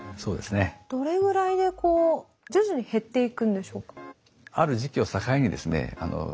どれぐらいでこう徐々に減っていくんでしょうか？